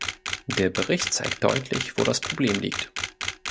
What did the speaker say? Dieser Bericht zeigt deutlich, wo das Problem liegt.